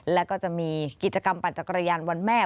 แล้วก็จะมีกิจกรรมปั่นจักรยานวันแม่